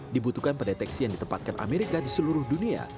dibutuhkan pendeteksi yang ditempatkan amerika di seluruh dunia